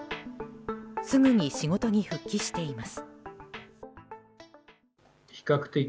すぐに仕事に復帰しています。